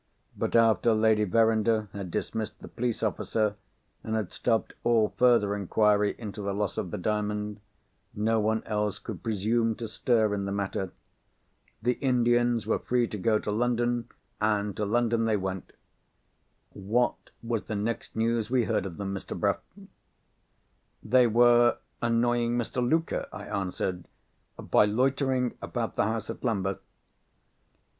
But, after Lady Verinder had dismissed the police officer, and had stopped all further inquiry into the loss of the Diamond, no one else could presume to stir in the matter. The Indians were free to go to London, and to London they went. What was the next news we heard of them, Mr. Bruff?" "They were annoying Mr. Luker," I answered, "by loitering about the house at Lambeth."